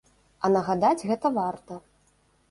А нагадаць гэта варта.